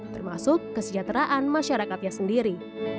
termasuk kesejahteraan masyarakatnya sendiri